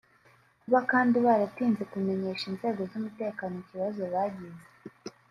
kuba kandi baratinze kumenyesha inzego z’umutekano ikibazo bagize